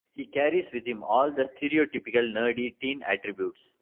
He carries with him all the stereotypical nerdy teen attributes.